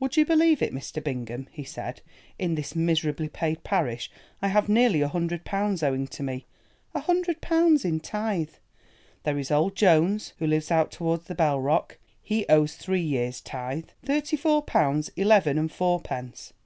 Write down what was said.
"Would you believe it, Mr. Bingham," he said, "in this miserably paid parish I have nearly a hundred pounds owing to me, a hundred pounds in tithe. There is old Jones who lives out towards the Bell Rock, he owes three years' tithe—thirty four pounds eleven and fourpence.